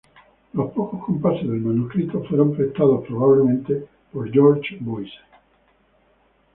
Los pocos compases del manuscrito fueron prestados, probablemente, por George Boyce.